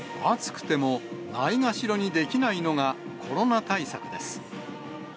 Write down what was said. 暑くても、ないがしろにできないのがコロナ対策です。